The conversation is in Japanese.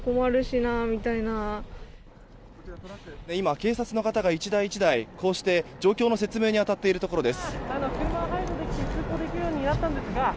警察の方が１台１台こうして状況の説明に当たっているところです。